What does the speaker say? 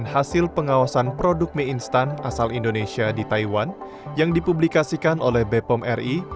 hasil pengawasan produk mie instan asal indonesia di taiwan yang dipublikasikan oleh bepom ri